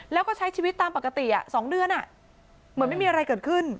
แล้วก็ใช้ชีวิตตามปกติ๒เดือนเหมือนไม่มีอะไรเกิดขึ้น